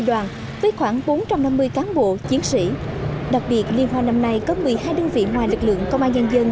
đoàn với khoảng bốn trăm năm mươi cán bộ chiến sĩ đặc biệt liên hoan năm nay có một mươi hai đơn vị ngoài lực lượng công an nhân dân